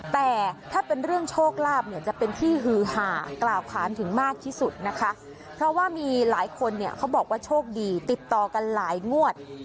แต่ถ้าเป็นเรื่องโชคลาภเนี่ยจะเป็นที่ฮือหากล่าวค้านถึงมากที่สุดนะคะเพราะว่ามีหลายคนเนี่ยเขาบอกว่าโชคดีติดต่อกันหลายงวด